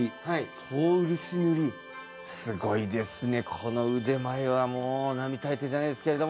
この腕前はもう並大抵じゃないですけれども。